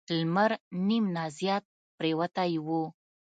لمر نیم نه زیات پریوتی و.